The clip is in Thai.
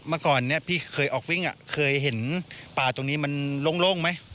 เมื่อก่อนเนี่ยพี่เคยออกวิ่งเคยเห็นป่าตรงนี้มันโล่งไหม